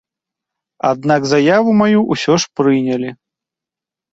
Аднак заяву маю ўсё ж прынялі.